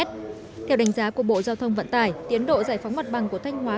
theo đánh giá của bộ giao thông vận tải tiến độ giải phóng mặt bằng của thanh hóa